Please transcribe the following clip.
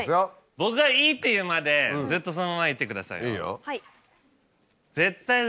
僕がいいって言うまでずっとそのままでいてください。